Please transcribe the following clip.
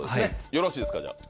よろしいですかじゃあ。